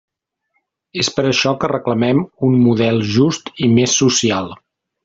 És per això que reclamem un model just i més social.